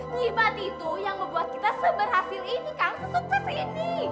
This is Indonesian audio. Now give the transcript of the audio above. nyebat itu yang membuat kita seberhasil ini kang sesukses ini